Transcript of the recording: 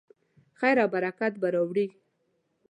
خیر او برکت به راوړي.